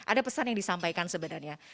ada pesan yang disampaikan sebenarnya